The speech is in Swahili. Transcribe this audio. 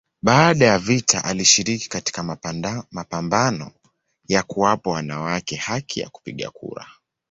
Baada ya vita alishiriki katika mapambano ya kuwapa wanawake haki ya kupiga kura.